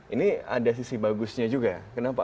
ini ada sisi bagusnya juga kenapa